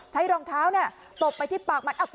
ใช้รองเท้าตบไปที่ปาก